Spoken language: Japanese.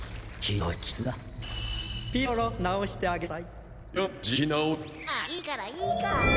まあいいからいいから。